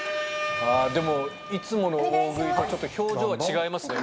でもいつもの大食いと表情が違いますね。